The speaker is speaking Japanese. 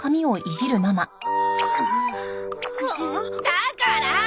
だから！